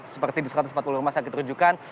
seperti di satu ratus empat puluh rumah sakit rujukan